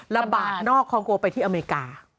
ระบาดนอกคองโกไปที่อเมริกา